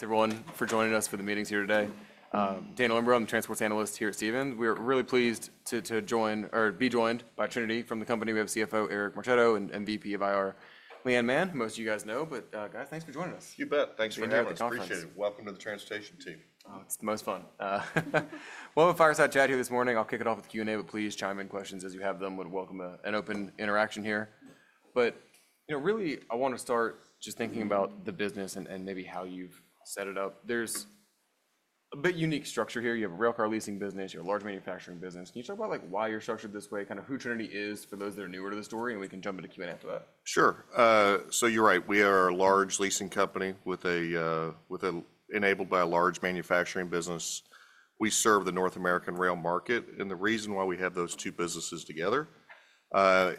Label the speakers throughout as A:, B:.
A: Thanks, everyone, for joining us for the meetings here today. Daniel Imbro, I'm the transportation analyst here at Stephens. We are really pleased to join or be joined by Trinity from the company. We have CFO Eric Marchetto and VP of IR, Leigh Anne Mann, who most of you guys know. But, guys, thanks for joining us.
B: You bet. Thanks for having us. Appreciate it. Welcome to the transportation team.
A: Oh, it's the most fun. Well, we have a fireside chat here this morning. I'll kick it off with Q&A, but please chime in questions as you have them. We'd welcome an open interaction here. But, you know, really, I want to start just thinking about the business and maybe how you've set it up. There's a bit unique structure here. You have a railcar leasing business. You have a large manufacturing business. Can you talk about, like, why you're structured this way, kind of who Trinity is for those that are newer to the story? And we can jump into Q&A after that.
B: Sure. So you're right. We are a large leasing company enabled by a large manufacturing business. We serve the North American rail market. And the reason why we have those two businesses together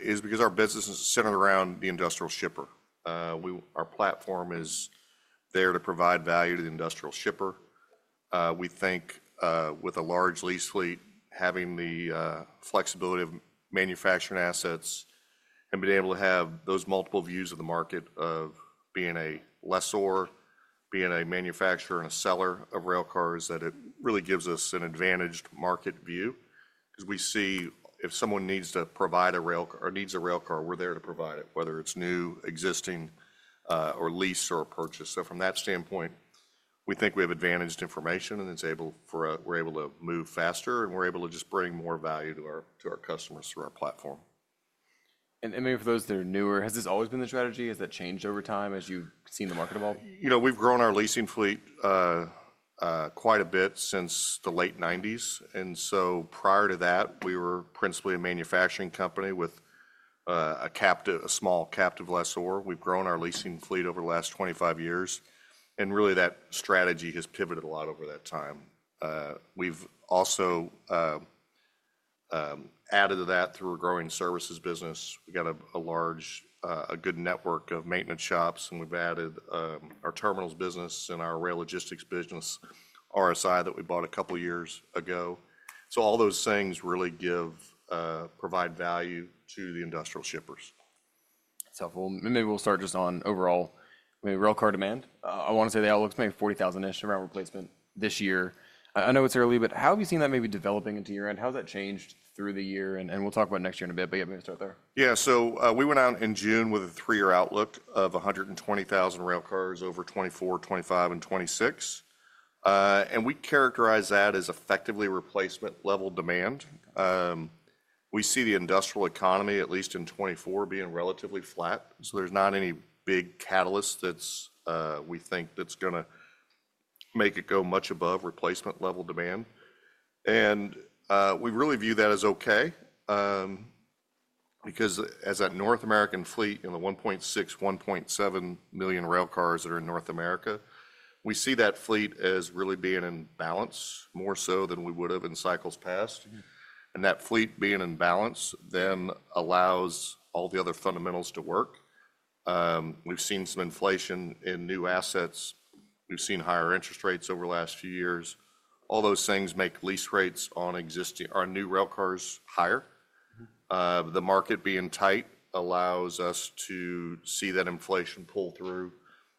B: is because our business is centered around the industrial shipper. Our platform is there to provide value to the industrial shipper. We think with a large lease fleet, having the flexibility of manufacturing assets and being able to have those multiple views of the market of being a lessor, being a manufacturer and a seller of railcars, that it really gives us an advantaged market view because we see if someone needs to provide a railcar or needs a railcar, we're there to provide it, whether it's new, existing, or lease or purchase. From that standpoint, we think we have advantaged information and we're able to move faster and we're able to just bring more value to our customers through our platform.
A: Maybe for those that are newer, has this always been the strategy? Has that changed over time as you've seen the market evolve?
B: You know, we've grown our leasing fleet quite a bit since the late 1990s. And so prior to that, we were principally a manufacturing company with a small captive lessor. We've grown our leasing fleet over the last 25 years. And really, that strategy has pivoted a lot over that time. We've also added to that through a growing services business. We've got a large, good network of maintenance shops, and we've added our terminals business and our rail logistics business, RSI, that we bought a couple of years ago. So all those things really provide value to the industrial shippers.
A: Maybe we'll start just on overall, maybe railcar demand. I want to say the outlook's maybe 40,000-ish rail replacement this year. I know it's early, but how have you seen that maybe developing into year-end? How has that changed through the year? We'll talk about next year in a bit, but yeah, maybe start there.
B: Yeah. So we went out in June with a three-year outlook of 120,000 railcars over 2024, 2025, and 2026. And we characterize that as effectively replacement-level demand. We see the industrial economy, at least in 2024, being relatively flat. So there's not any big catalyst that we think that's going to make it go much above replacement-level demand. And we really view that as okay because as that North American fleet and the 1.6-1.7 million railcars that are in North America, we see that fleet as really being in balance more so than we would have in cycles past. And that fleet being in balance then allows all the other fundamentals to work. We've seen some inflation in new assets. We've seen higher interest rates over the last few years. All those things make lease rates on existing or new railcars higher. The market being tight allows us to see that inflation pull through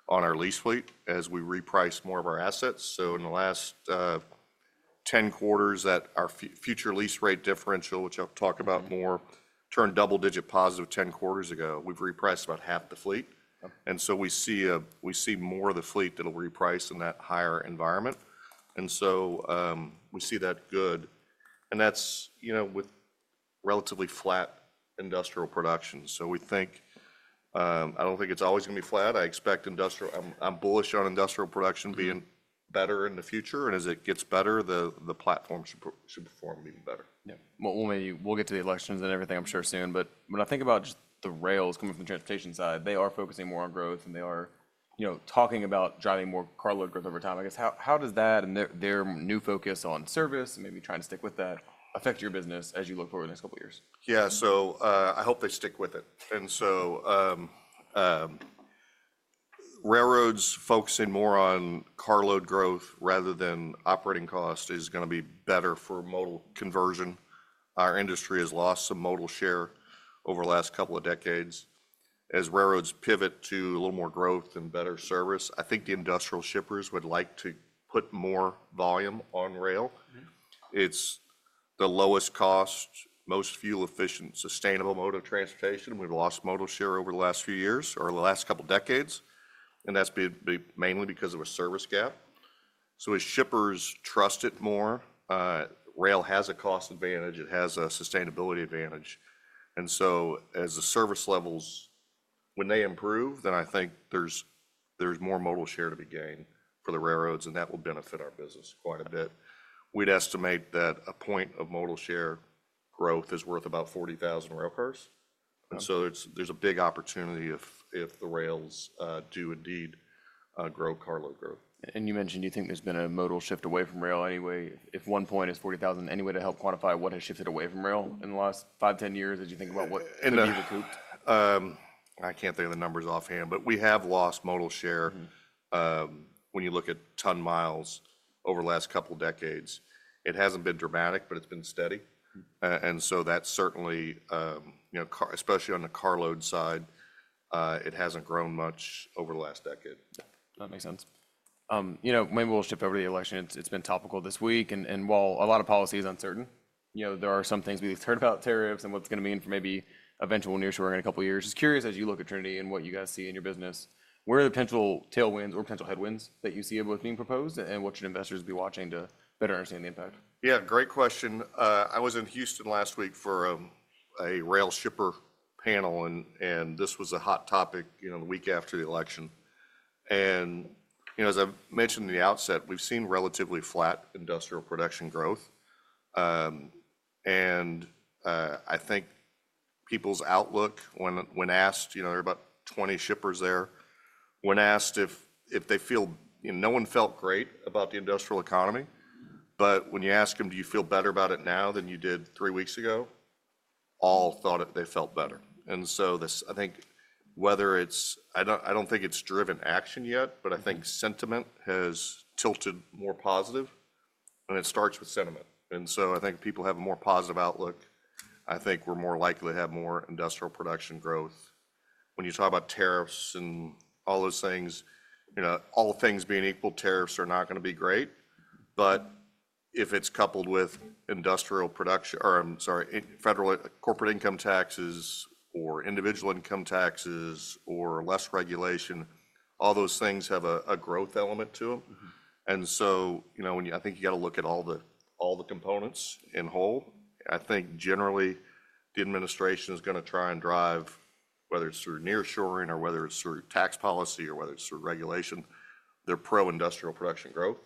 B: on our lease fleet as we reprice more of our assets, so in the last 10 quarters, that our future lease rate differential, which I'll talk about more, turned double-digit positive 10 quarters ago, we've repriced about half the fleet, and so we see more of the fleet that'll reprice in that higher environment, and so we see that good, and that's, you know, with relatively flat industrial production, so we think. I don't think it's always going to be flat. I expect industrial. I'm bullish on industrial production being better in the future, and as it gets better, the platform should perform even better.
A: Yeah. Well, maybe we'll get to the elections and everything, I'm sure, soon. But when I think about just the rails coming from the transportation side, they are focusing more on growth and they are, you know, talking about driving more carload growth over time. I guess how does that and their new focus on service and maybe trying to stick with that affect your business as you look forward to the next couple of years?
B: Yeah. So I hope they stick with it, and so railroads focusing more on carload growth rather than operating cost is going to be better for modal conversion. Our industry has lost some modal share over the last couple of decades. As railroads pivot to a little more growth and better service, I think the industrial shippers would like to put more volume on rail. It's the lowest cost, most fuel-efficient, sustainable mode of transportation. We've lost modal share over the last few years or the last couple of decades, and that's mainly because of a service gap, so as shippers trust it more, rail has a cost advantage. It has a sustainability advantage, and so as the service levels, when they improve, then I think there's more modal share to be gained for the railroads, and that will benefit our business quite a bit. We'd estimate that a point of modal share growth is worth about 40,000 railcars, and so there's a big opportunity if the rails do indeed grow carload growth.
A: And you mentioned you think there's been a modal shift away from rail anyway. If one point is 40,000 anyway, to help quantify what has shifted away from rail in the last five, 10 years, as you think about what maybe recuperated?
B: I can't think of the numbers offhand, but we have lost modal share when you look at ton miles over the last couple of decades. It hasn't been dramatic, but it's been steady, and so that's certainly, you know, especially on the carload side, it hasn't grown much over the last decade.
A: That makes sense. You know, maybe we'll shift over to the election. It's been topical this week, and while a lot of policy is uncertain, you know, there are some things we've heard about tariffs and what's going to mean for maybe eventual nearshoring in a couple of years. Just curious, as you look at Trinity and what you guys see in your business, where are the potential tailwinds or potential headwinds that you see of what's being proposed and what should investors be watching to better understand the impact?
B: Yeah, great question. I was in Houston last week for a rail shipper panel, and this was a hot topic, you know, the week after the election. You know, as I mentioned in the outset, we've seen relatively flat industrial production growth. I think people's outlook when asked, you know, there are about 20 shippers there, when asked if they feel, you know, no one felt great about the industrial economy. But when you ask them, do you feel better about it now than you did three weeks ago, all thought that they felt better. So this, I think, whether it's I don't think it's driven action yet, but I think sentiment has tilted more positive. It starts with sentiment. So I think people have a more positive outlook. I think we're more likely to have more industrial production growth. When you talk about tariffs and all those things, you know, all things being equal, tariffs are not going to be great. But if it's coupled with industrial production or, I'm sorry, federal corporate income taxes or individual income taxes or less regulation, all those things have a growth element to them, and so, you know, I think you got to look at all the components in whole. I think generally the administration is going to try and drive, whether it's through nearshoring or whether it's through tax policy or whether it's through regulation, they're pro-industrial production growth,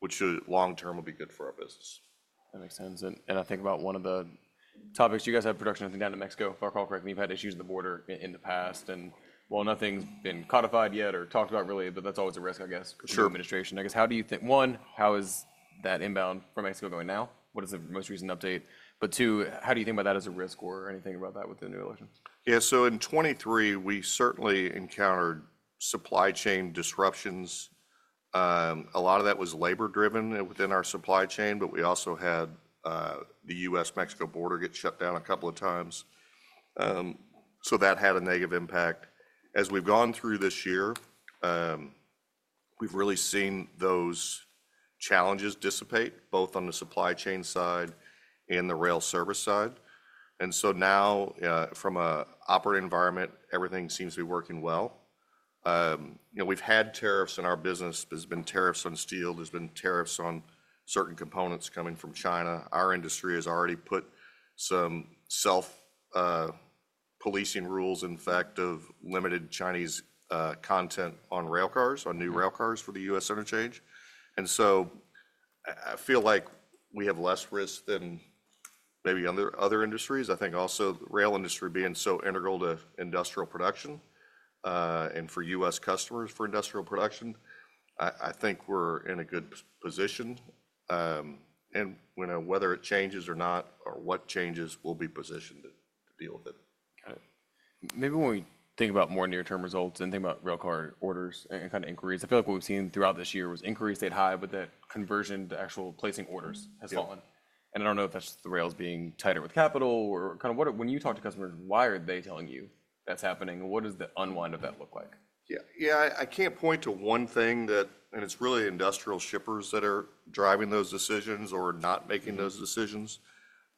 B: which long-term will be good for our business.
A: That makes sense, and I think about one of the topics you guys had production, I think down to Mexico, if I recall correctly. You've had issues with the border in the past, and while nothing's been codified yet or talked about really, but that's always a risk, I guess, for the administration. I guess how do you think, one, how is that inbound from Mexico going now? What is the most recent update, but two, how do you think about that as a risk or anything about that with the new election?
B: Yeah. So in 2023, we certainly encountered supply chain disruptions. A lot of that was labor-driven within our supply chain, but we also had the U.S.-Mexico border get shut down a couple of times. So that had a negative impact. As we've gone through this year, we've really seen those challenges dissipate both on the supply chain side and the rail service side. And so now, from an operating environment, everything seems to be working well. You know, we've had tariffs in our business. There's been tariffs on steel. There's been tariffs on certain components coming from China. Our industry has already put some self-policing rules, in fact, of limited Chinese content on railcars, on new railcars for the U.S. interchange. And so I feel like we have less risk than maybe other industries. I think also the rail industry being so integral to industrial production and for U.S. Customers for industrial production, I think we're in a good position. And, you know, whether it changes or not or what changes, we'll be positioned to deal with it.
A: Got it. Maybe when we think about more near-term results and think about railcar orders and kind of inquiries, I feel like what we've seen throughout this year was inquiries stayed high, but that conversion to actual placing orders has fallen, and I don't know if that's the rails being tighter with capital or kind of what, when you talk to customers, why are they telling you that's happening? What does the unwind of that look like?
B: Yeah. Yeah, I can't point to one thing that, and it's really industrial shippers that are driving those decisions or not making those decisions.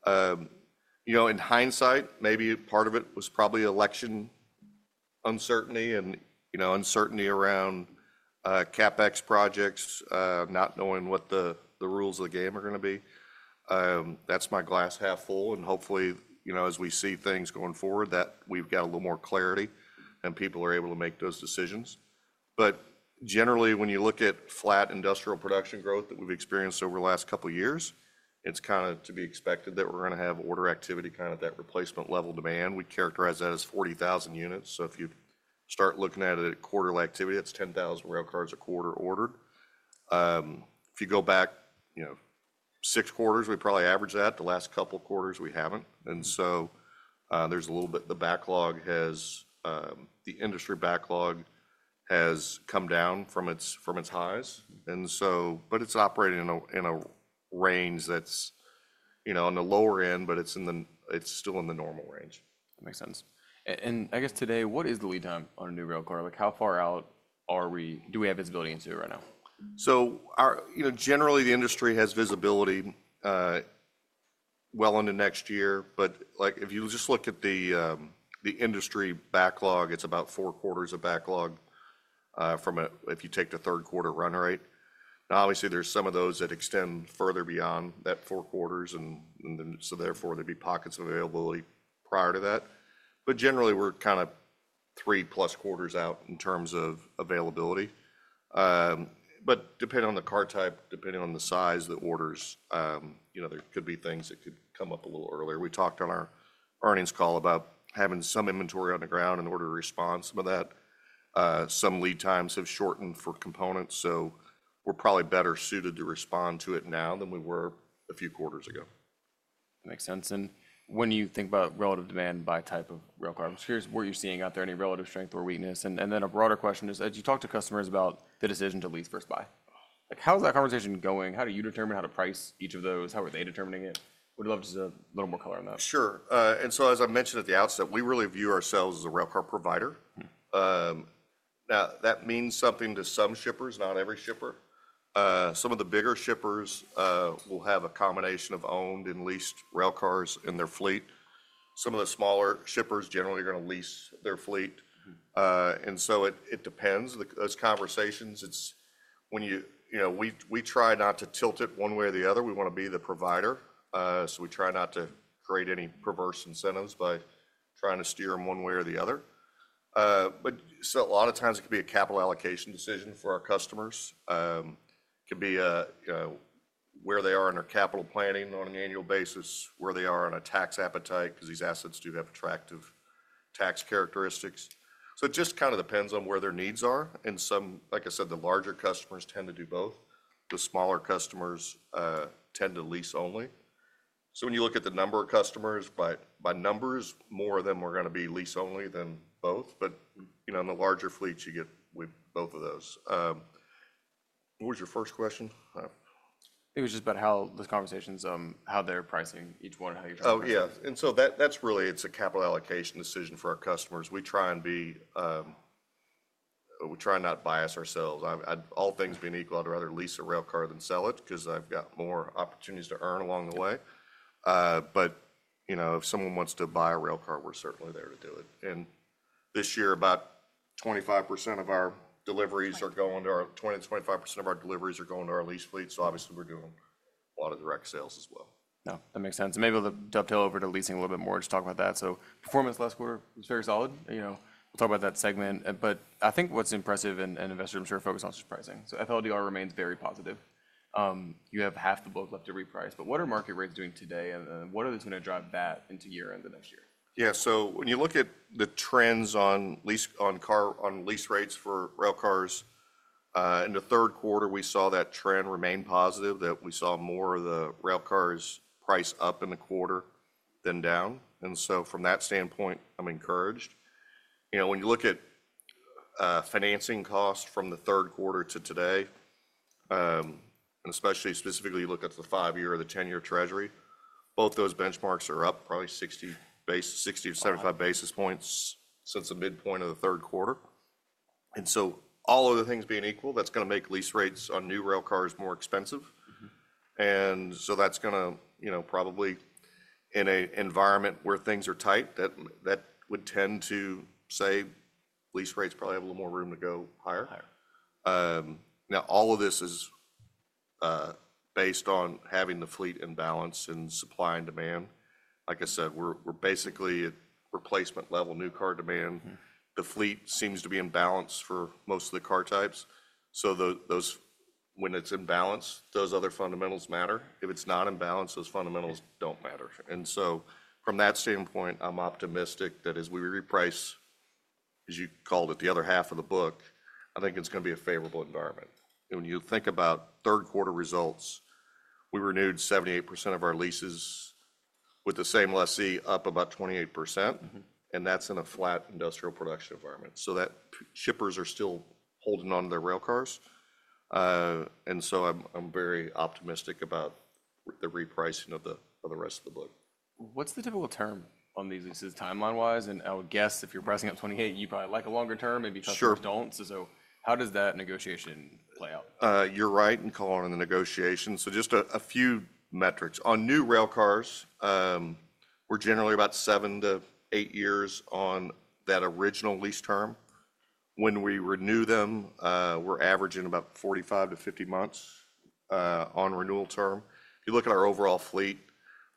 B: You know, in hindsight, maybe part of it was probably election uncertainty and, you know, uncertainty around CapEx projects, not knowing what the rules of the game are going to be. That's my glass half full. And hopefully, you know, as we see things going forward, that we've got a little more clarity and people are able to make those decisions. But generally, when you look at flat industrial production growth that we've experienced over the last couple of years, it's kind of to be expected that we're going to have order activity, kind of that replacement-level demand. We characterize that as 40,000 units. So if you start looking at it at quarterly activity, that's 10,000 railcars a quarter ordered. If you go back, you know, six quarters, we probably average that. The last couple of quarters, we haven't. And so there's a little bit. The industry backlog has come down from its highs. But it's operating in a range that's, you know, on the lower end, but it's still in the normal range.
A: That makes sense. And I guess today, what is the lead time on a new railcar? Like, how far out are we? Do we have visibility into it right now?
B: So, you know, generally, the industry has visibility well into next year. But like, if you just look at the industry backlog, it's about four quarters of backlog from, if you take the third quarter run rate. Now, obviously, there's some of those that extend further beyond that four quarters. And so therefore, there'd be pockets of availability prior to that. But generally, we're kind of three plus quarters out in terms of availability. But depending on the car type, depending on the size of the orders, you know, there could be things that could come up a little earlier. We talked on our earnings call about having some inventory on the ground in order to respond to some of that. Some lead times have shortened for components. So we're probably better suited to respond to it now than we were a few quarters ago.
A: That makes sense. And when you think about relative demand by type of railcars, I'm curious, were you seeing out there any relative strength or weakness? And then a broader question is, as you talk to customers about the decision to lease or buy, like, how's that conversation going? How do you determine how to price each of those? How are they determining it? We'd love just a little more color on that.
B: Sure. And so, as I mentioned at the outset, we really view ourselves as a railcar provider. Now, that means something to some shippers, not every shipper. Some of the bigger shippers will have a combination of owned and leased railcars in their fleet. Some of the smaller shippers generally are going to lease their fleet. And so it depends. Those conversations, it's when you, you know, we try not to tilt it one way or the other. We want to be the provider. So we try not to create any perverse incentives by trying to steer them one way or the other. But so a lot of times, it could be a capital allocation decision for our customers. It could be where they are in their capital planning on an annual basis, where they are on a tax appetite, because these assets do have attractive tax characteristics. So it just kind of depends on where their needs are. And some, like I said, the larger customers tend to do both. The smaller customers tend to lease only. So when you look at the number of customers, by numbers, more of them are going to be lease only than both. But, you know, in the larger fleets, you get both of those. What was your first question?
A: It was just about how those conversations, how they're pricing each one and how you're trying to price.
B: Oh, yeah. So that's really it. It's a capital allocation decision for our customers. We try not to bias ourselves. All things being equal, I'd rather lease a railcar than sell it because I've got more opportunities to earn along the way. But, you know, if someone wants to buy a railcar, we're certainly there to do it. And this year, about 20% to 25% of our deliveries are going to our lease fleet. So obviously, we're doing a lot of direct sales as well.
A: Yeah, that makes sense. And maybe we'll dovetail over to leasing a little bit more to talk about that. So performance last quarter was very solid. You know, we'll talk about that segment. But I think what's impressive, and investors, I'm sure, are focused on surprising. So FLDR remains very positive. You have half the book left to reprice. But what are market rates doing today? And what are they going to drive back into year-end of next year?
B: Yeah. So, when you look at the trends in lease rates for railcars, in the third quarter, we saw that trend remain positive, that we saw more of the railcars price up in the quarter than down. And so from that standpoint, I'm encouraged. You know, when you look at financing costs from the third quarter to today, and especially you look at the five-year or the ten-year Treasury, both those benchmarks are up probably 60 to 75 basis points since the midpoint of the third quarter. And so all of the things being equal, that's going to make lease rates on new railcars more expensive. And so that's going to, you know, probably in an environment where things are tight, that would tend to say lease rates probably have a little more room to go higher. Now, all of this is based on having the fleet in balance and supply and demand. Like I said, we're basically at replacement-level new car demand. The fleet seems to be in balance for most of the car types. So those, when it's in balance, those other fundamentals matter. If it's not in balance, those fundamentals don't matter. And so from that standpoint, I'm optimistic that as we reprice, as you called it, the other half of the book, I think it's going to be a favorable environment. And when you think about third quarter results, we renewed 78% of our leases with the same lessee up about 28%. And that's in a flat industrial production environment. So that shippers are still holding on to their railcars. And so I'm very optimistic about the repricing of the rest of the book.
A: What's the typical term on these leases timeline-wise? And I would guess if you're pricing at 28, you probably like a longer term, maybe customers don't. So how does that negotiation play out?
B: You're right in calling on the negotiation. So just a few metrics. On new railcars, we're generally about seven to eight years on that original lease term. When we renew them, we're averaging about 45 to 50 months on renewal term. If you look at our overall fleet,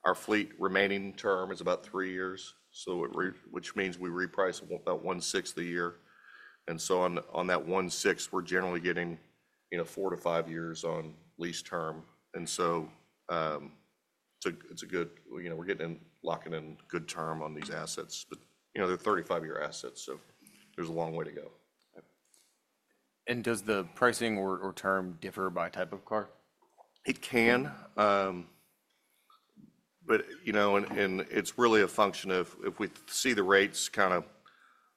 B: our fleet remaining term is about three years, which means we reprice about one-sixth a year. And so on that one-sixth, we're generally getting, you know, four to five years on lease term. And so it's a good, you know, we're getting in locking in good term on these assets. But, you know, they're 35-year assets. So there's a long way to go.
A: Does the pricing or term differ by type of car?
B: It can. But, you know, and it's really a function of if we see the rates kind of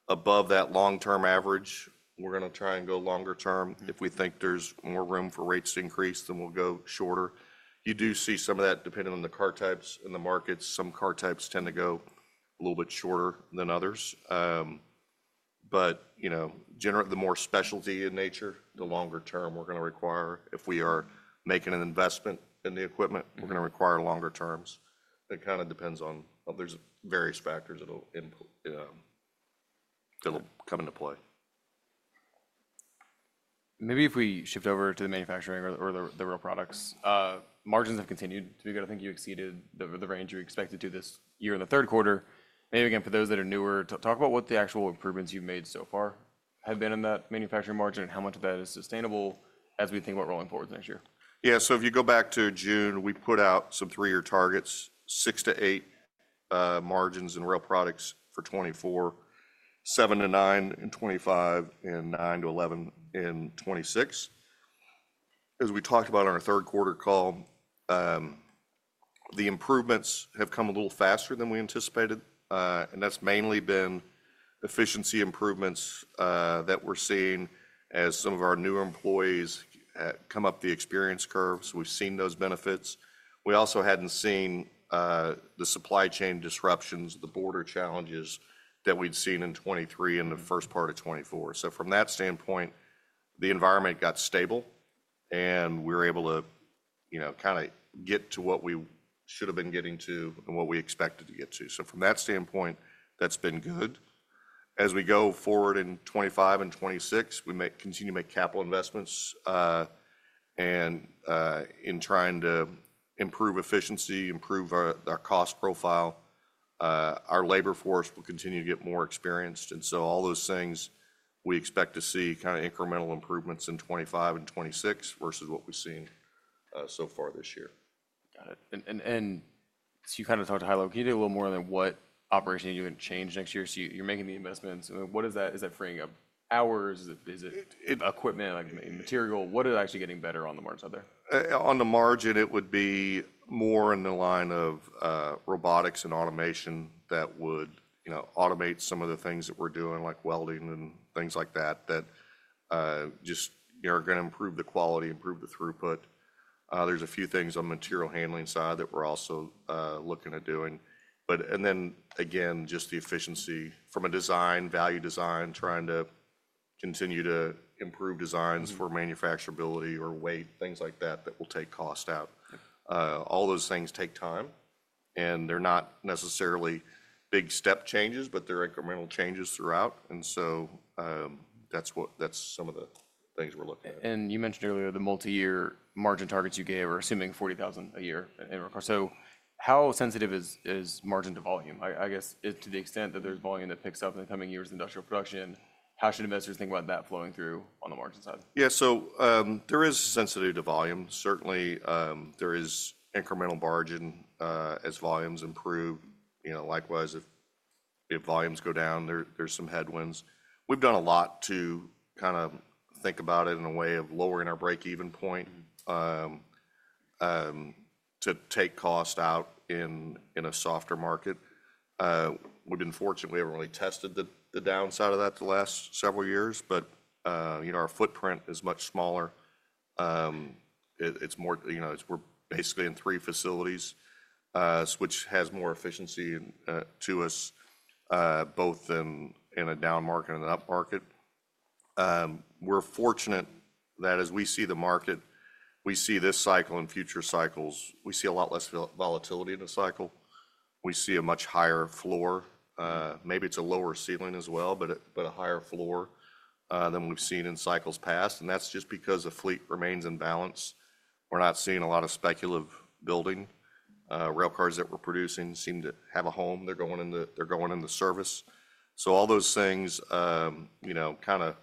B: above that long-term average, we're going to try and go longer term. If we think there's more room for rates to increase, then we'll go shorter. You do see some of that depending on the car types in the markets. Some car types tend to go a little bit shorter than others. But, you know, generally, the more specialty in nature, the longer term we're going to require. If we are making an investment in the equipment, we're going to require longer terms. It kind of depends on there's various factors that'll come into play.
A: Maybe if we shift over to the manufacturing or the rail products, margins have continued to be good. I think you exceeded the range you expected to this year in the third quarter. Maybe again, for those that are newer, talk about what the actual improvements you've made so far have been in that manufacturing margin and how much of that is sustainable as we think about rolling forward to next year.
B: Yeah. So if you go back to June, we put out some three-year targets, six to eight margins in rail products for 2024, seven to nine in 2025, and nine to eleven in 2026. As we talked about on our third quarter call, the improvements have come a little faster than we anticipated. And that's mainly been efficiency improvements that we're seeing as some of our new employees come up the experience curve. So we've seen those benefits. We also hadn't seen the supply chain disruptions, the border challenges that we'd seen in 2023 and the first part of 2024. So from that standpoint, the environment got stable and we were able to, you know, kind of get to what we should have been getting to and what we expected to get to. So from that standpoint, that's been good. As we go forward in 2025 and 2026, we continue to make capital investments. And in trying to improve efficiency, improve our cost profile, our labor force will continue to get more experienced. And so all those things we expect to see kind of incremental improvements in 2025 and 2026 versus what we've seen so far this year.
A: Got it. And so you kind of talked about relocation a little more than what operations you would change next year. So you're making the investments. What is that? Is that freeing up hours? Is it equipment, like material, what is actually getting better on the margin out there?
B: On the margin, it would be more in the line of robotics and automation that would, you know, automate some of the things that we're doing, like welding and things like that, that just, you know, are going to improve the quality, improve the throughput. There's a few things on the material handling side that we're also looking at doing. But, and then again, just the efficiency from a design, value design, trying to continue to improve designs for manufacturability or weight, things like that, that will take cost out. All those things take time. And they're not necessarily big step changes, but they're incremental changes throughout. And so that's what that's some of the things we're looking at.
A: And you mentioned earlier the multi-year margin targets you gave are assuming 40,000 a year in railcars. So how sensitive is margin to volume? I guess to the extent that there's volume that picks up in the coming years of industrial production, how should investors think about that flowing through on the margin side?
B: Yeah. So there is sensitivity to volume. Certainly, there is incremental margin as volumes improve. You know, likewise, if volumes go down, there's some headwinds. We've done a lot to kind of think about it in a way of lowering our break-even point to take cost out in a softer market. We've been fortunate. We haven't really tested the downside of that the last several years. But, you know, our footprint is much smaller. It's more, you know, we're basically in three facilities, which has more efficiency to us, both in a down market and an up market. We're fortunate that as we see the market, we see this cycle and future cycles, we see a lot less volatility in the cycle. We see a much higher floor. Maybe it's a lower ceiling as well, but a higher floor than we've seen in cycles past. That's just because the fleet remains in balance. We're not seeing a lot of speculative building. Railcars that we're producing seem to have a home. They're going into service. So all those things, you know, kind of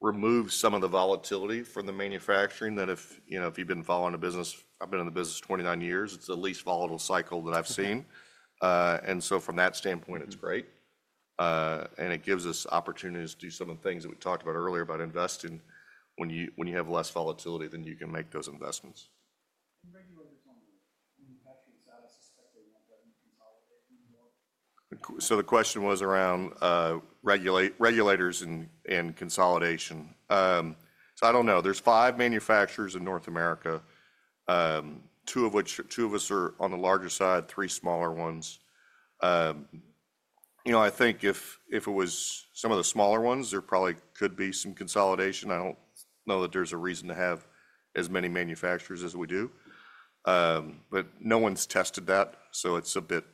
B: remove some of the volatility from the manufacturing. That, if you've been following the business, I've been in the business 29 years, it's the least volatile cycle that I've seen. So from that standpoint, it's great. It gives us opportunities to do some of the things that we talked about earlier about investing. When you have less volatility, then you can make those investments. Regulators on the manufacturing side, I suspect they want that to consolidate more? So the question was around regulators and consolidation. So I don't know. There's five manufacturers in North America, two of which two of us are on the larger side, three smaller ones. You know, I think if it was some of the smaller ones, there probably could be some consolidation. I don't know that there's a reason to have as many manufacturers as we do. But no one's tested that. So it's a bit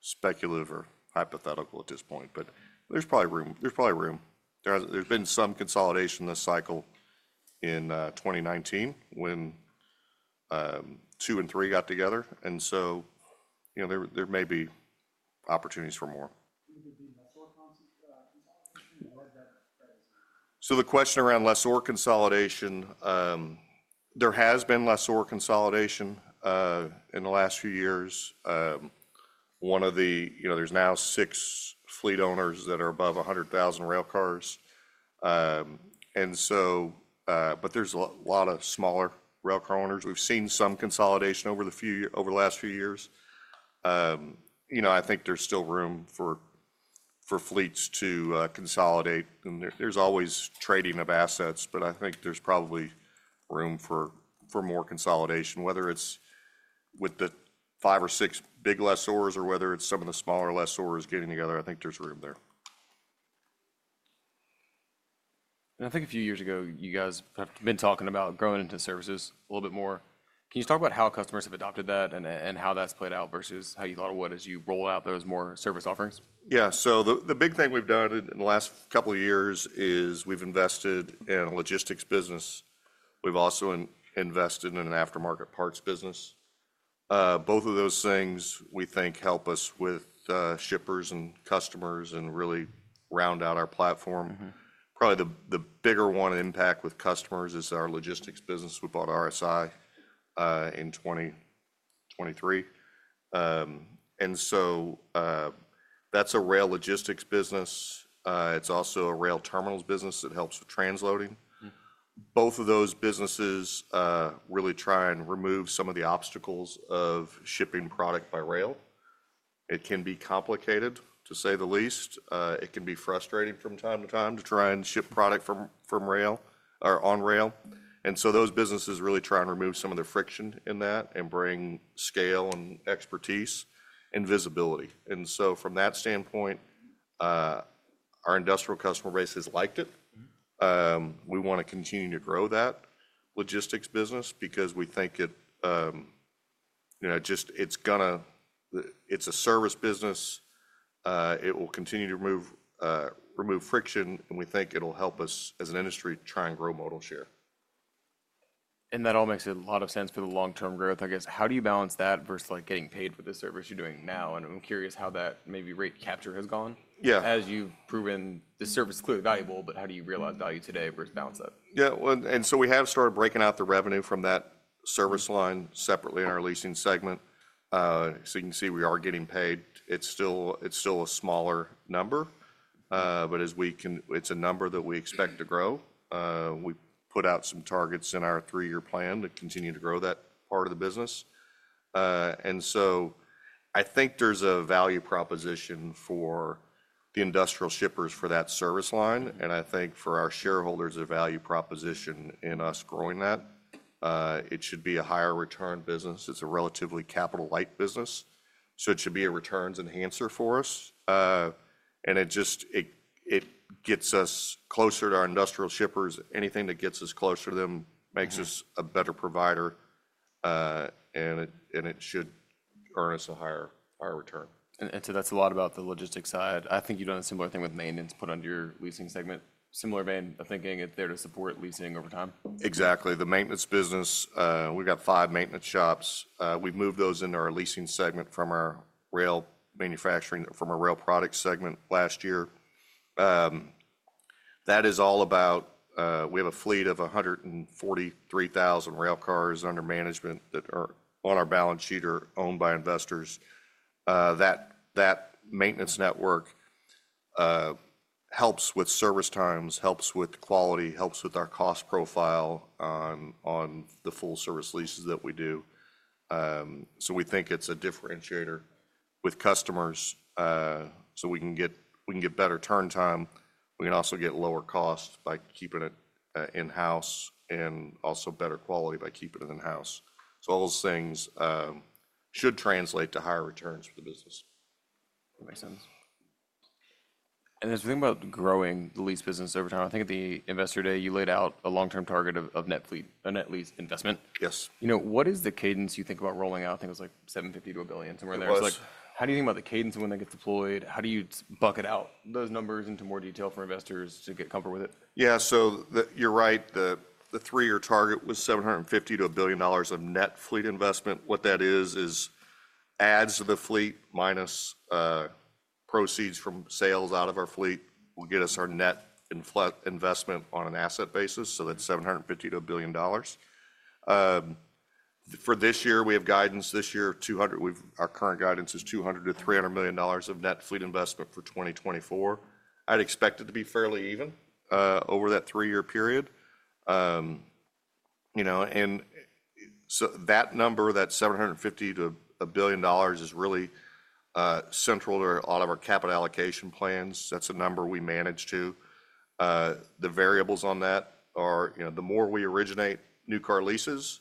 B: speculative or hypothetical at this point. But there's probably room. There's probably room. There's been some consolidation this cycle in 2019 when two and three got together. And so, you know, there may be opportunities for more. Would there be lessor consolidation or is that? So the question around lessor consolidation, there has been lessor consolidation in the last few years. One of the, you know, there's now six fleet owners that are above 100,000 railcars. And so, but there's a lot of smaller railcar owners. We've seen some consolidation over the last few years. You know, I think there's still room for fleets to consolidate. And there's always trading of assets. But I think there's probably room for more consolidation, whether it's with the five or six big lessors or whether it's some of the smaller lessors getting together. I think there's room there.
A: I think a few years ago, you guys have been talking about growing into services a little bit more. Can you talk about how customers have adopted that and how that's played out versus how you thought it would as you roll out those more service offerings?
B: Yeah, so the big thing we've done in the last couple of years is we've invested in a logistics business. We've also invested in an aftermarket parts business. Both of those things we think help us with shippers and customers and really round out our platform. Probably the bigger one impact with customers is our logistics business. We bought RSI in 2023, and so that's a rail logistics business. It's also a rail terminals business that helps with transloading. Both of those businesses really try and remove some of the obstacles of shipping product by rail. It can be complicated, to say the least. It can be frustrating from time to time to try and ship product from rail or on rail, and so those businesses really try and remove some of the friction in that and bring scale and expertise and visibility. And so from that standpoint, our industrial customer base has liked it. We want to continue to grow that logistics business because we think it, you know, it's a service business. It will continue to remove friction. And we think it'll help us as an industry to try and grow modal share.
A: That all makes a lot of sense for the long-term growth. I guess, how do you balance that versus like getting paid for the service you're doing now? I'm curious how that maybe rate capture has gone.
B: Yeah.
A: As you've proven the service is clearly valuable, but how do you realize value today versus balance that?
B: Yeah, and so we have started breaking out the revenue from that service line separately in our leasing segment, so you can see we are getting paid. It's still a smaller number, but as we can, it's a number that we expect to grow. We put out some targets in our three-year plan to continue to grow that part of the business, and so I think there's a value proposition for the industrial shippers for that service line, and I think for our shareholders a value proposition in us growing that. It should be a higher return business. It's a relatively capital-light business, so it should be a returns enhancer for us, and it just, it gets us closer to our industrial shippers. Anything that gets us closer to them makes us a better provider, and it should earn us a higher return.
A: And so that's a lot about the logistics side. I think you've done a similar thing with maintenance put under your leasing segment. Similar vein of thinking, it's there to support leasing over time.
B: Exactly. The maintenance business, we've got five maintenance shops. We've moved those into our leasing segment from our rail manufacturing, from our rail product segment last year. That is all about, we have a fleet of 143,000 railcars under management that are on our balance sheet or owned by investors. That maintenance network helps with service times, helps with quality, helps with our cost profile on the full service leases that we do. So we think it's a differentiator with customers. So we can get, we can get better turn time. We can also get lower cost by keeping it in-house and also better quality by keeping it in-house. So all those things should translate to higher returns for the business.
A: Makes sense. And as we think about growing the lease business over time, I think at the investor day, you laid out a long-term target of net fleet, a net lease investment.
B: Yes.
A: You know, what is the cadence you think about rolling out? I think it was like $750 to a billion somewhere there.
B: Yes.
A: How do you think about the cadence of when they get deployed? How do you bucket out those numbers into more detail for investors to get comfortable with it?
B: Yeah. So you're right. The three-year target was $750 million-$1 billion of net fleet investment. What that is, is adds to the fleet minus proceeds from sales out of our fleet will get us our net investment on an asset basis. So that's $750 million-$1 billion. For this year, we have guidance this year, 200, our current guidance is $200 million-$300 million of net fleet investment for 2024. I'd expect it to be fairly even over that three-year period. You know, and so that number, that $750 million-$1 billion is really central to a lot of our capital allocation plans. That's a number we manage to. The variables on that are, you know, the more we originate new car leases,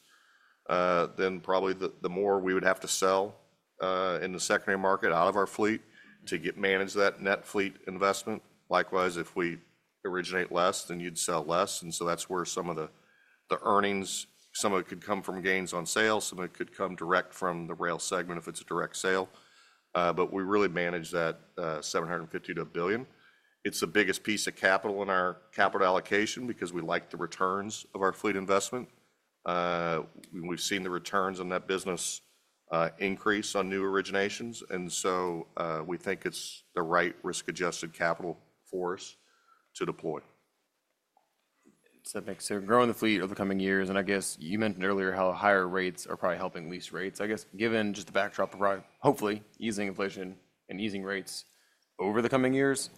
B: then probably the more we would have to sell in the secondary market out of our fleet to manage that net fleet investment. Likewise, if we originate less, then you'd sell less, and so that's where some of the earnings, some of it could come from gains on sales, some of it could come direct from the rail segment if it's a direct sale, but we really manage that $750 million-$1 billion. It's the biggest piece of capital in our capital allocation because we like the returns of our fleet investment. We've seen the returns on that business increase on new originations, and so we think it's the right risk-adjusted capital for us to deploy.
A: It makes sense growing the fleet over the coming years. I guess you mentioned earlier how higher rates are probably helping lease rates. I guess given just the backdrop of hopefully easing inflation and easing rates over the coming years,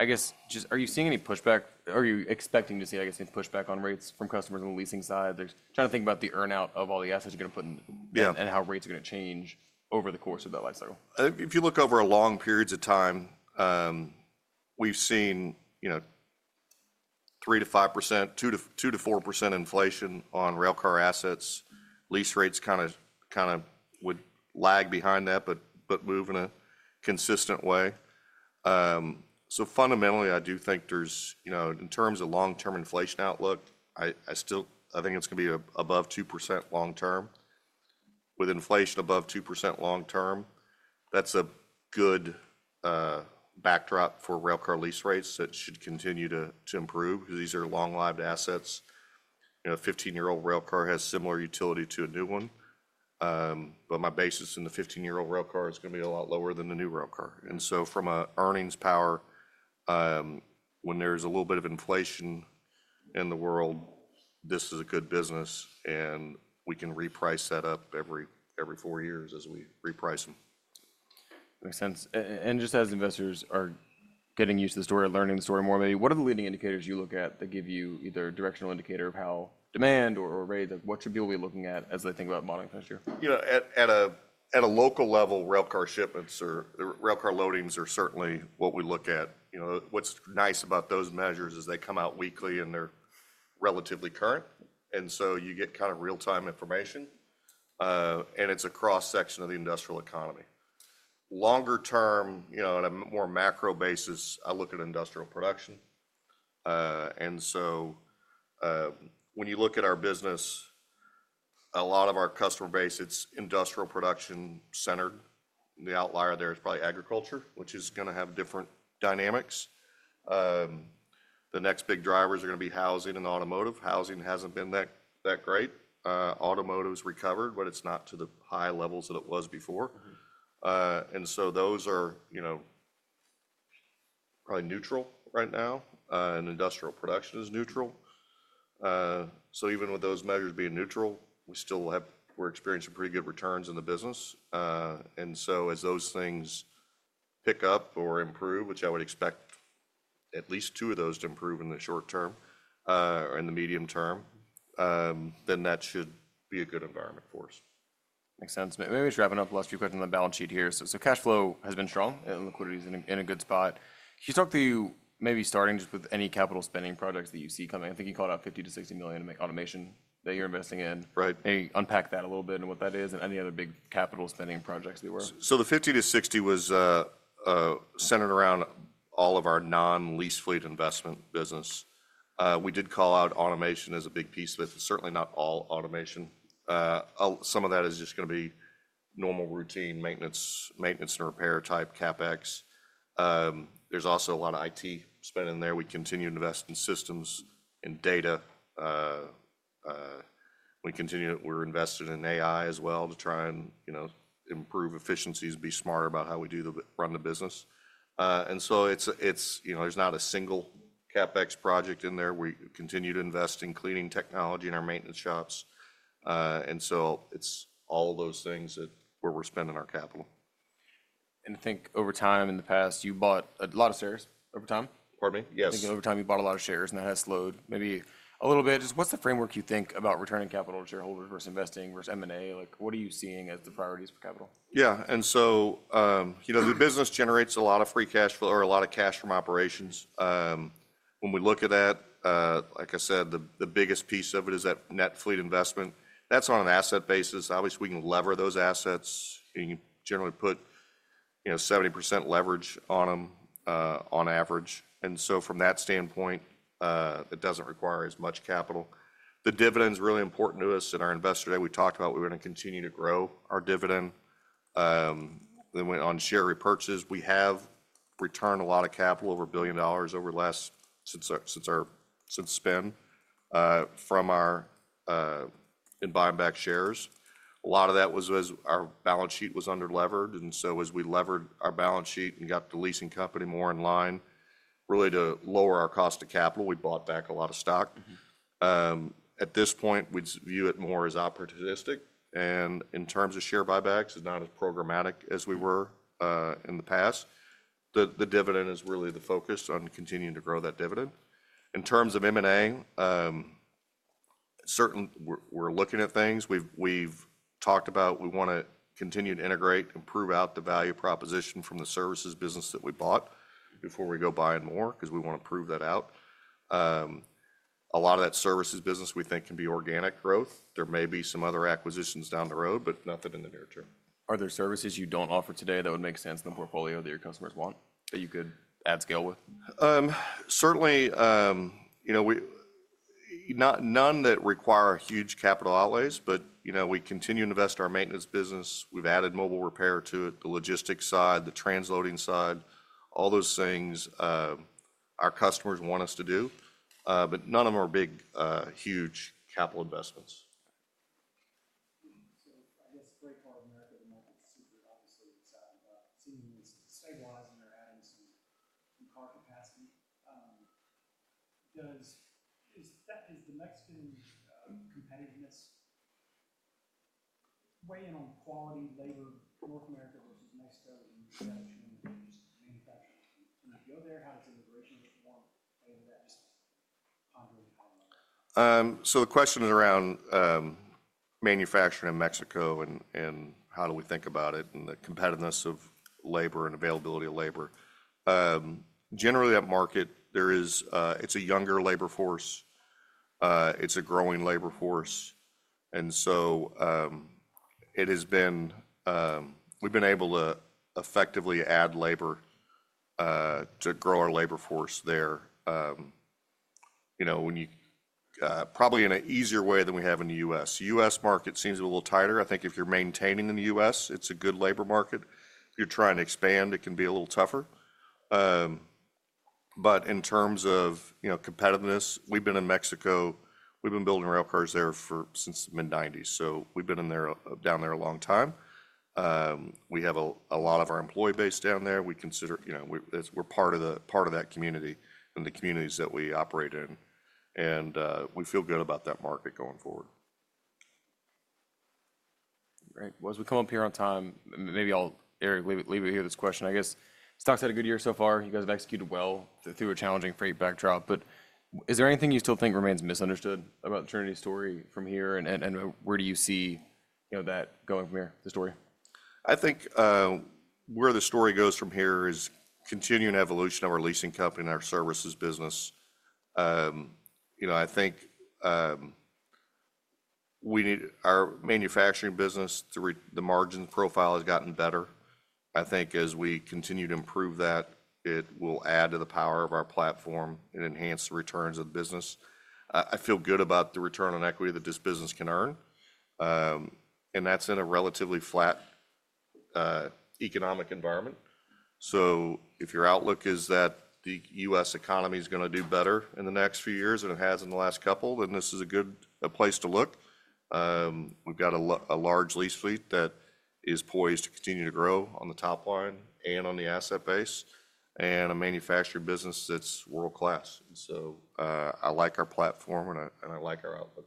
A: I guess just are you seeing any pushback? Are you expecting to see, I guess, any pushback on rates from customers on the leasing side? They're trying to think about the earnout of all the assets you're going to put in and how rates are going to change over the course of that lifecycle.
B: If you look over long periods of time, we've seen, you know, 3%-5%, 2%-4% inflation on railcar assets. Lease rates kind of would lag behind that, but move in a consistent way. So fundamentally, I do think there's, you know, in terms of long-term inflation outlook, I still, I think it's going to be above 2% long-term. With inflation above 2% long-term, that's a good backdrop for railcar lease rates that should continue to improve because these are long-lived assets. You know, a 15-year-old railcar has similar utility to a new one. But my basis in the 15-year-old railcar is going to be a lot lower than the new railcar. And so from an earnings power, when there's a little bit of inflation in the world, this is a good business and we can reprice that up every four years as we reprice them.
A: Makes sense, and just as investors are getting used to the story, learning the story more, maybe what are the leading indicators you look at that give you either a directional indicator of how demand or rate of what should we be looking at as they think about modeling for next year?
B: You know, at a local level, railcar shipments or railcar loadings are certainly what we look at. You know, what's nice about those measures is they come out weekly and they're relatively current, and so you get kind of real-time information, and it's a cross-section of the industrial economy. Longer term, you know, on a more macro basis, I look at industrial production. And so when you look at our business, a lot of our customer base, it's industrial production centered. The outlier there is probably agriculture, which is going to have different dynamics. The next big drivers are going to be housing and automotive. Housing hasn't been that great. Automotive has recovered, but it's not to the high levels that it was before, and so those are, you know, probably neutral right now. And industrial production is neutral. So even with those measures being neutral, we still have, we're experiencing pretty good returns in the business. And so as those things pick up or improve, which I would expect at least two of those to improve in the short term or in the medium term, then that should be a good environment for us.
A: Makes sense. Maybe just wrapping up the last few questions on the balance sheet here. So cash flow has been strong and liquidity is in a good spot. Can you talk to maybe starting just with any capital spending projects that you see coming? I think you called out $50 million-$60 million to make automation that you're investing in.
B: Right.
A: Maybe unpack that a little bit and what that is and any other big capital spending projects that were?
B: So the 50-60 was centered around all of our non-lease fleet investment business. We did call out automation as a big piece, but it's certainly not all automation. Some of that is just going to be normal routine maintenance and repair type CapEx. There's also a lot of IT spend in there. We continue to invest in systems and data. We continue, we're invested in AI as well to try and, you know, improve efficiencies, be smarter about how we do run the business. And so it's, you know, there's not a single CapEx project in there. We continue to invest in cleaning technology in our maintenance shops. And so it's all of those things that’s where we're spending our capital.
A: I think over time in the past, you bought a lot of shares over time.
B: Pardon me? Yes.
A: I think over time you bought a lot of shares and that has slowed maybe a little bit. Just what's the framework you think about returning capital to shareholders versus investing versus M&A? Like what are you seeing as the priorities for capital?
B: Yeah. So, you know, the business generates a lot of free cash flow or a lot of cash from operations. When we look at that, like I said, the biggest piece of it is that net fleet investment. That's on an asset basis. Obviously, we can lever those assets. You can generally put, you know, 70% leverage on them on average. So from that standpoint, it doesn't require as much capital. The dividend is really important to us. In our Investor Day, we talked about we're going to continue to grow our dividend. Then we went on share repurchase. We have returned a lot of capital over $1 billion over the last since our spin from our buyback shares. A lot of that was as our balance sheet was under-levered. And so as we levered our balance sheet and got the leasing company more in line really to lower our cost of capital, we bought back a lot of stock. At this point, we view it more as opportunistic. And in terms of share buybacks, it's not as programmatic as we were in the past. The dividend is really the focus on continuing to grow that dividend. In terms of M&A, certainly we're looking at things. We've talked about we want to continue to integrate and prove out the value proposition from the services business that we bought before we go buying more because we want to prove that out. A lot of that services business we think can be organic growth. There may be some other acquisitions down the road, but nothing in the near term.
A: Are there services you don't offer today that would make sense in the portfolio that your customers want that you could add scale with?
B: Certainly, you know, none that require huge capital outlays, but you know, we continue to invest in our maintenance business. We've added mobile repair to it, the logistics side, the transloading side, all those things our customers want us to do. But none of them are big, huge capital investments. I guess the freight part of America that might be super obviously excited about continuing to stabilize and they're adding some car capacity. Does the Mexican competitiveness weigh in on quality labor, North America versus Mexico, in manufacturing? When you go there, how does immigration get warm? Maybe that's just pondering higher level. So the question is around manufacturing in Mexico and how do we think about it and the competitiveness of labor and availability of labor. Generally that market, it's a younger labor force. It's a growing labor force, and so it has been. We've been able to effectively add labor to grow our labor force there. You know, probably in an easier way than we have in the U.S. The U.S. market seems a little tighter. I think if you're maintaining in the U.S., it's a good labor market. If you're trying to expand, it can be a little tougher. But in terms of, you know, competitiveness, we've been in Mexico. We've been building railcars there since the mid-1990s. So we've been down there a long time. We have a lot of our employee base down there. We consider, you know, we're part of that community and the communities that we operate in, and we feel good about that market going forward.
A: Great, well, as we come up on time, maybe I'll leave it here at this question. I guess stocks had a good year so far. You guys have executed well through a challenging freight backdrop, but is there anything you still think remains misunderstood about the Trinity story from here, and where do you see, you know, that going from here, the story?
B: I think where the story goes from here is continuing evolution of our leasing company and our services business. You know, I think we need our manufacturing business to, the margin profile has gotten better. I think as we continue to improve that, it will add to the power of our platform and enhance the returns of the business. I feel good about the return on equity that this business can earn. And that's in a relatively flat economic environment. So if your outlook is that the U.S. economy is going to do better in the next few years than it has in the last couple, then this is a good place to look. We've got a large lease fleet that is poised to continue to grow on the top line and on the asset base and a manufacturing business that's world-class. I like our platform and I like our outlook.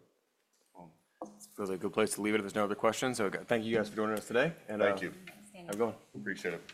A: It's a good place to leave it if there's no other questions. So thank you guys for joining us today.
B: Thank you.
A: Have a good one.
B: Appreciate it.